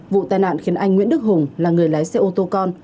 vụ tai nạn khiến anh nguyễn đức hùng là người lái xe ô tô con